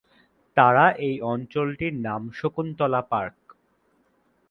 তারা এই অঞ্চলটির নাম শকুন্তলা পার্ক।